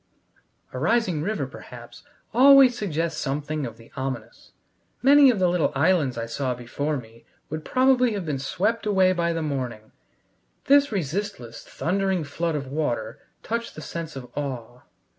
A rising river, perhaps, always suggests something of the ominous: many of the little islands I saw before me would probably have been swept away by the morning; this resistless, thundering flood of water touched the sense of awe.